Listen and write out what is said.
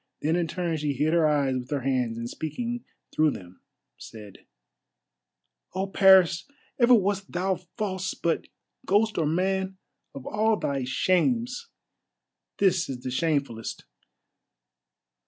Then in turn she hid her eyes with her hands, and speaking through them said: "Oh, Paris! ever wast thou false, but, ghost or man, of all thy shames this is the shamefullest.